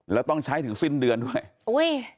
แล้วต้องใช้ถึงสิ้นเดือนด้วยอุ้ย